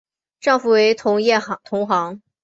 丈夫为同业同行。